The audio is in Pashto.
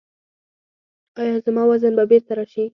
ایا زما وزن به بیرته راشي؟